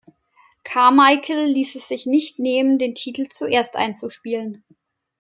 Carmichael ließ es sich nicht nehmen, den Titel zuerst einzuspielen.